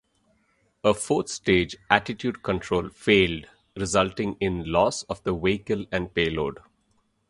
A fourth-stage attitude control failed resulting in loss of the vehicle and payload.